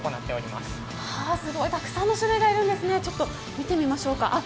すごいたくさんの種類がいるんですね、ちょっと見てみましょうか。